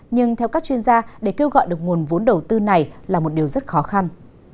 nhưng theo các chuyên gia để kêu gọi được nguồn vốn đầu tư này là một điều rất khó khăn